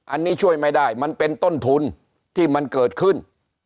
อันนี้ช่วยไม่ได้มันเป็นต้นทุนที่มันเกิดขึ้น